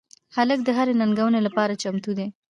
هلک د هرې ننګونې لپاره چمتو دی.